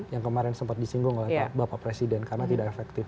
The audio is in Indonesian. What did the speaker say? yang kemarin sempat disinggung oleh bapak presiden karena tidak efektif